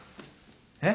えっ？